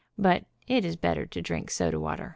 But it is better to drink soda water.